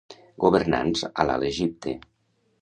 Governants a l'Alt Egipte.